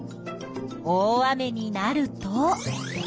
大雨になると。